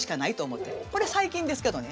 これ最近ですけどね。